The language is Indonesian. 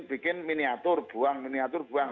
bikin miniatur buang miniatur buang